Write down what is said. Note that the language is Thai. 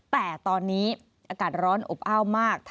แต่ตอนนี้อากาศร้อนอบอ้าวมาก